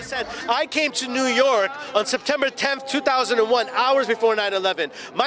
saya datang ke new york pada sepuluh september dua ribu satu waktu sebelum sembilan sebelas